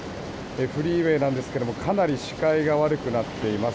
フリーウェーなんですけれどもかなり視界が悪くなっています。